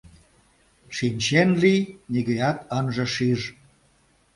— Шинчен лий: нигӧат ынже шиж.